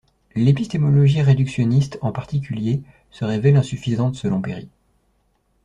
L'épistémologie réductionniste en particulier se révèle insuffisante selon Perry.